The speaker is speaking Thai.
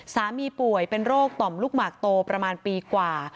ป่วยเป็นโรคต่อมลูกหมากโตประมาณปีกว่า